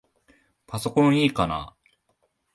パソコンいいかな？